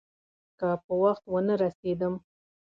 که په وخت ونه رسېدم.